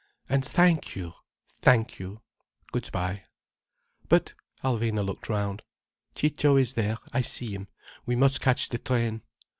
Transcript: And thank you, thank you. Good bye." "But—" Alvina looked round. "Ciccio is there. I see him. We must catch the train."